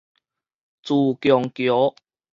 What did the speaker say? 自強橋